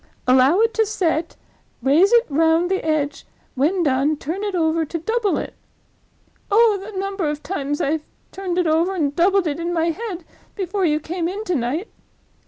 'Allow it to set, raise it round the edge; when done, turn it over to double it.'—Oh, the number of times I turned it over and doubled it in my head, before you came in to night!